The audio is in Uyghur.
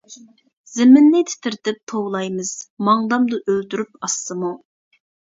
زېمىننى تىترىتىپ توۋلايمىز، ماڭدامدا ئۆلتۈرۈپ ئاسسىمۇ.